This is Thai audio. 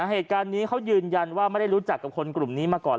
เหตุการณ์นี้เขายืนยันว่าไม่ได้รู้จักกับคนกลุ่มนี้มาก่อน